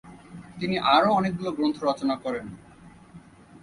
তিনি আরও অনেকগুলো গ্রন্থ রচনা করেন।